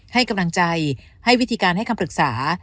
ให้กำลังใจให้วิธีการให้คำปรึกษา